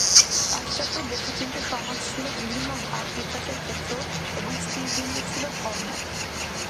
পাশ্চাত্য দেশে কিন্তু সমাজ ছিল বিভিন্ন ভাব বিকাশের ক্ষেত্র এবং স্থিরবিন্দু ছিল ধর্ম।